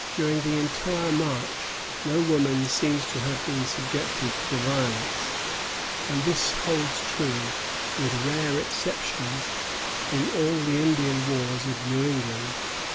During the entire march, no woman seems to have been subjected to violence; and this holds true, with rare exceptions, in all the Indian wars of New England.